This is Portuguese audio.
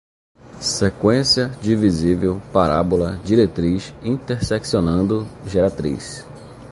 sequência, divisível, parábola, diretriz, interseccionando, geratriz